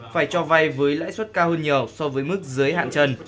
phải cho vay với lãi suất cao hơn nhiều so với mức dưới hạn trần